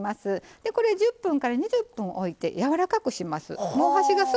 でこれ１０分から２０分おいてやわらかくします。